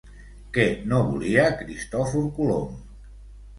Què no volia Cristòfor Colom?